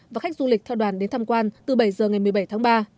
và khách du lịch theo đoàn đến tham quan từ bảy giờ ngày một mươi bảy tháng ba